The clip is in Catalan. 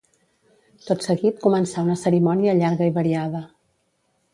Tot seguit començà una cerimònia llarga i variada.